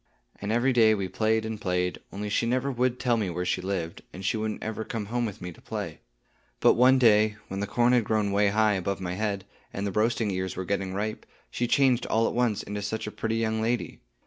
And every day we played and played; only she never would tell me where she lived, and she wouldn't ever come home with me to play. But one day, when the corn had grown way high above my head, and the roasting ears were getting ripe, she changed all at once into such a pretty young lady.